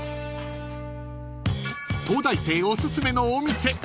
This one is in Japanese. ［東大生おすすめのお店